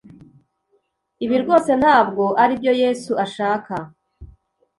Ibi rwose ntabwo aribyo Yesu ashaka